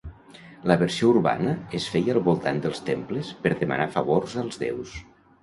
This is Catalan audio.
La versió urbana es feia al voltant dels temples per demanar favors als déus.